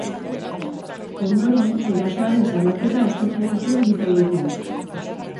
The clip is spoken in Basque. Ondoren erasoaren salaketa aurkeztu zuten bi zaurituek.